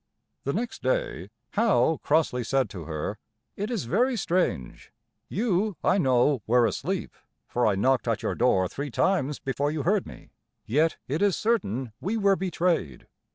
The next day Howe crossly said to her: "It is very strange; you, I know, were asleep, for I knocked at your door three times before you heard me; yet it is certain we were betrayed.